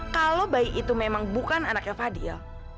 kalau bayi itu memang bukan anaknya fadil